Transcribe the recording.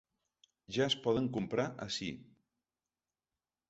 Ja es poden comprar ací.